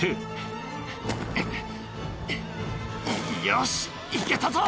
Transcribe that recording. よし行けたぞ！